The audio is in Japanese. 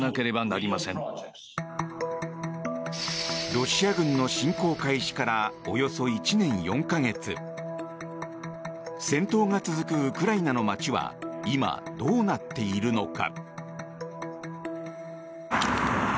ロシア軍の侵攻開始からおよそ１年４か月戦闘が続くウクライナの街は今、どうなっているのか？